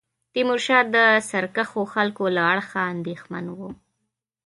تیمورشاه د سرکښو خلکو له اړخه اندېښمن وو.